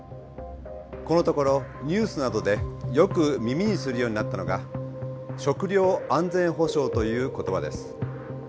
このところニュースなどでよく耳にするようになったのが食料安全保障という言葉です。